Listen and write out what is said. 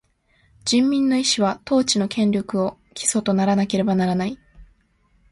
人民の意思は、統治の権力を基礎とならなければならない。